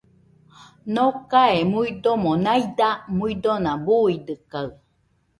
Nocae muidomo naida muidona, buidɨkaɨ